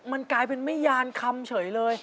มันกลายเป็นไม่ยานคำเฉยเลย